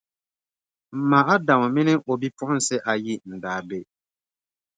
M ma Adama mini o bipuɣinsi ayi n-daa be.